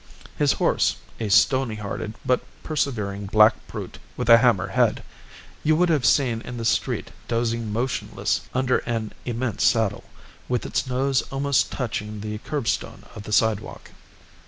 His horse a stony hearted but persevering black brute with a hammer head you would have seen in the street dozing motionless under an immense saddle, with its nose almost touching the curbstone of the sidewalk.